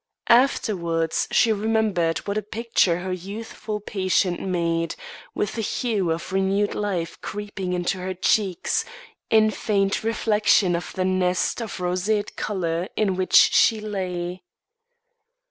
Afterwards she remembered what a picture her youthful patient made, with the hue of renewed life creeping into her cheeks, in faint reflection of the nest of roseate colour in which she lay.